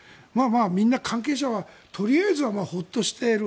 みんな関係者はとりあえずはホッとしている。